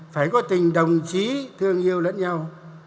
phải có tình đồng chí thương yêu lẫn nhau